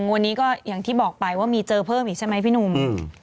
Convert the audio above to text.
วันนี้ก็อย่างที่บอกไปว่ามีเจอเพิ่มอีกใช่ไหมพี่หนุ่ม